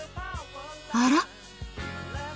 あら？